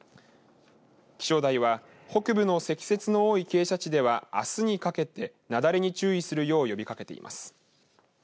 気象台は北部の積雪の多い傾斜地ではあすにかけて、なだれに注意するよう呼びかけています。